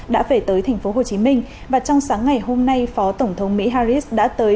đã về tới thành phố hồ chí minh và trong sáng ngày hôm nay phó tổng thống mỹ harris đã tới